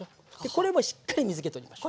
これもしっかり水け取りましょう。